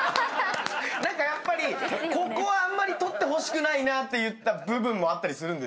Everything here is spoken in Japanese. やっぱりここはあんまり撮ってほしくないなっていった部分もあったりするんですか？